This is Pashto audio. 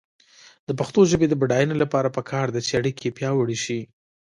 د پښتو ژبې د بډاینې لپاره پکار ده چې اړیکې پیاوړې شي.